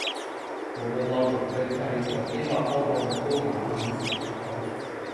無論內容簡介定係維基百科個名都唔會顯示繁體